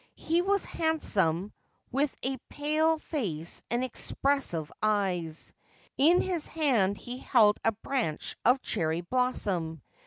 He was handsome, with a pale face and expressive eyes. In his hand he held a branch of cherry blossom.